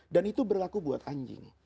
dan itu berlaku buat anjing